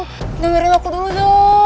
jangan ngerin aku dulu dong